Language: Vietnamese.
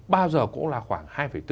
bao giờ cũng là khoảng hai bốn